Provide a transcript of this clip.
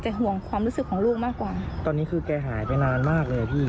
ห่วงความรู้สึกของลูกมากกว่าตอนนี้คือแกหายไปนานมากเลยอ่ะพี่